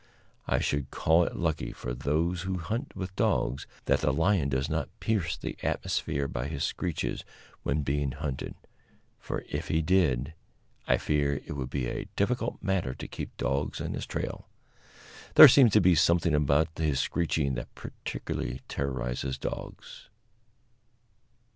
I should call it lucky, for those who hunt with dogs, that the lion does not pierce the atmosphere by his screeches when being hunted; for, if he did, I fear it would be a difficult matter to keep dogs on his trail. There seems to be something about his screeching that particularly terrorizes dogs.